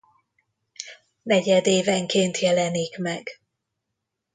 Negyedévenként jelenik meg.